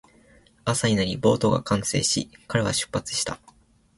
朝になり、ボートが完成し、彼は出発した